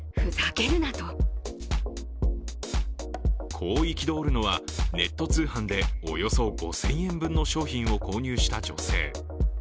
こう憤るのは、ネット通販でおよそ５０００円分の商品を購入した女性。